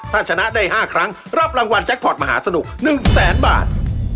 ถ้าชนะได้๕ครั้งรับรางวัลแจ็คพอร์ตมหาสนุก๑แสนบาท